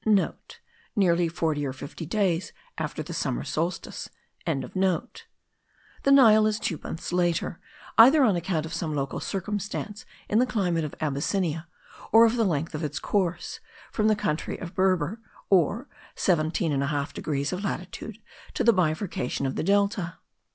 *(* Nearly forty or fifty days after the summer solstice.) The Nile is two months later, either on account of some local circumstances in the climate of Abyssinia, or of the length of its course, from the country of Berber, or 17.5 degrees of latitude, to the bifurcation of the delta.